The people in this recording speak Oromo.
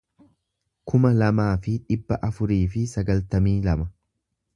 kuma lamaa fi dhibba afurii fi sagaltamii lama